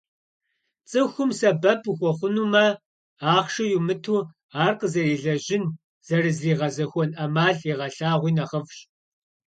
Цӏыхум сэбэп ухуэхъунумэ, ахъшэ йумыту, ар къызэрилэжьын, зэрызригъэзэхуэн ӏэмал егъэлъагъуи нэхъыфӏщ.